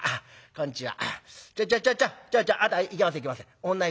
「こんちは」。